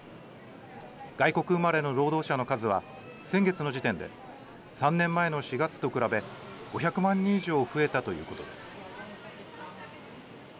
外国生まれの労働者の数は先月の時点で、３年前の４月と比べ５００万人以上増えたということです。